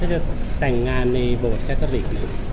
ถ้าจะแต่งงานในโบสถ์แคตอริก